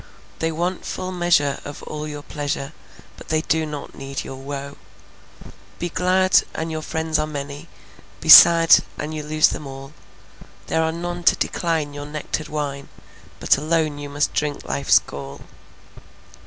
They want full measure of all your pleasure, But they do not need your woe. Be glad, and your friends are many; Be sad, and you lose them all. There are none to decline your nectared wine, But alone you must drink life's gall.